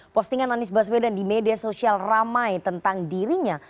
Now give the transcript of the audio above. postingan anies baswedan di media sosial ramai tentang dirinya